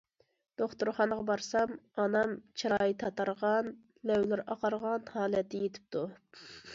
دوختۇرخانىغا بارسام ئانام چىرايى تاتارغان، لەۋلىرى ئاقارغان ھالەتتە يېتىپتۇ.